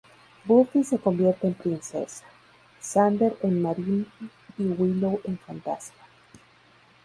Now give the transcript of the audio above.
Buffy se convierte en princesa, Xander, en marine y Willow, en fantasma.